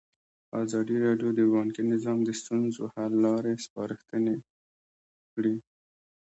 ازادي راډیو د بانکي نظام د ستونزو حل لارې سپارښتنې کړي.